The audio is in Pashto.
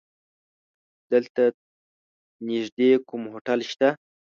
دلته نيږدې کوم هوټل شته؟